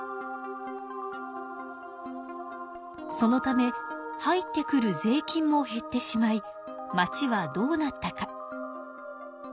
そのため入ってくる税金も減ってしまい町はどうなったか？